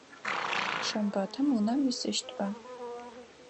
Шэмбэтым унэм уисыщтыба?